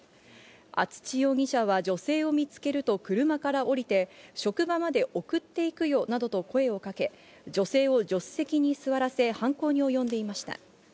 厚地容疑者は女性を見つけると車から降りて、職場まで送っていくよなどと声をかけ、女性を助手席に座らせ、犯行におよんでいました。